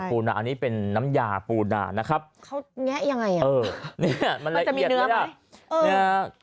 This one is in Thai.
พูนาอันนี้เป็นน้ำยาปูนานะครับเขาแยะยังไงเหรอมันละเอียดเลยมันจะมีเนื้อไหม